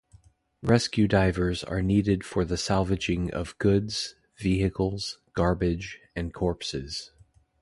Rescue divers are needed for the salvaging of goods, vehicles, garbage, and corpses.